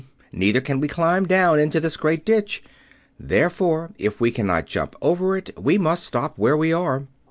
Neither can we climb down into this great ditch. Therefore, if we cannot jump over it, we must stop where we are."